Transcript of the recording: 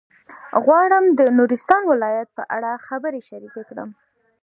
غواړم د نورستان ولایت په اړه خبرې شریکې کړم.